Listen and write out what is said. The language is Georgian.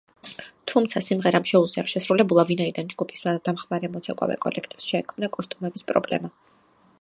თუმცა, სიმღერა ამ შოუზე არ შესრულებულა, ვინაიდან ჯგუფის დამხმარე მოცეკვავე კოლექტივს შეექმნა კოსტუმების პრობლემა.